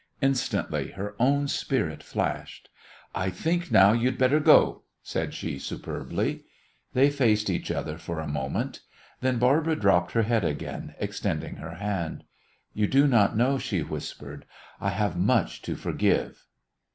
Instantly her own spirit flashed. "I think now you'd better go!" said she superbly. They faced each other for a moment. Then Barbara dropped her head again, extending her hand. "You do not know," she whispered, "I have much to forgive."